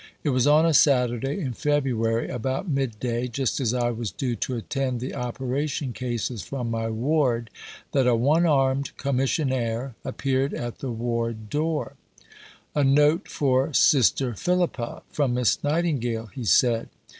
It was on a Saturday in February, about midday, just as I was due to attend the operation cases from my ward, that a one armed commissionaire appeared at the ward door: "A note for Sister Philippa from Miss Nightingale," he said.